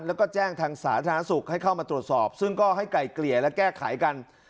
แล้วก็แจ้งทางสาธารณสุขให้เข้ามาตรวจสอบซึ่งก็ให้ไก่เกลี่ยและแก้ไขกัน